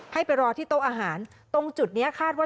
ให้ไปรอที่โต๊ะอาหารตรงจุดนี้คาดว่า